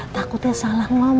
takutnya salah ngomong